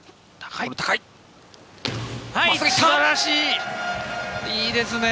いいですね。